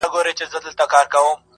• څه همت څه ارادې څه حوصلې سه..